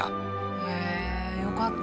へえよかった。